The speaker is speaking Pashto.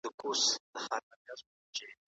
عرفان نه یوازي د پښتنو لپاره، بلکې د ترکانو،